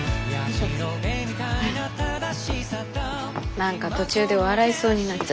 何か途中で笑いそうになっちゃった。